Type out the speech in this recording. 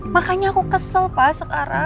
makanya aku kesel pak sekarang